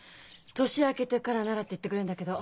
年明けてからならって言ってくれるんだけど。